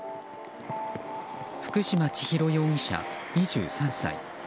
福島千尋容疑者、２３歳。